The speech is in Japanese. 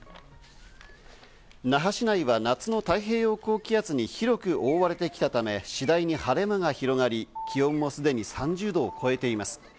那覇市内は夏の太平洋高気圧に広く覆われてきたため、次第に晴れ間が広がり、気温もすでに３０度を超えています。